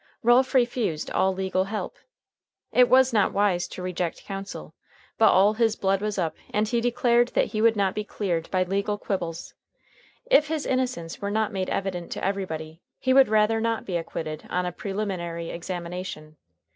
Ralph refused all legal help. It was not wise to reject counsel, but all his blood was up, and he declared that he would not be cleared by legal quibbles. If his innocence were not made evident to everybody, he would rather not be acquitted on a preliminary examination.